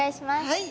はい！